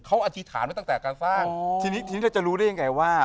เขาอธิษฐานไว้ตั้งแต่การสร้างทีนี้ทีนี้เราจะรู้ได้ยังไงว่า